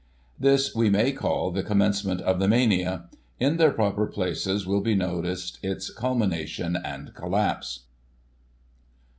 This we may call the commencement of the mania; in their proper places will be noticed its culmination and collapse.